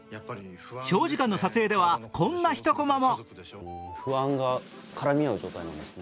長時間の撮影ではこんな一こまも。